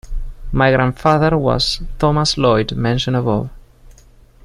My grandfather was Thomas Lloyd mentioned above.